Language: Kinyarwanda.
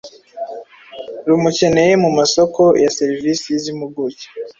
rumukeneye, mu masoko ya serivisi z’impuguke,